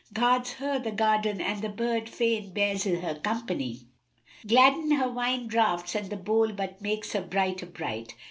Guards her the garden and the bird fain bears her company; * Gladden her wine draughts and the bowl but makes her brighter bright.